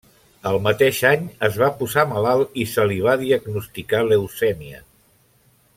El mateix any es va posar malalt i se li va diagnosticar leucèmia.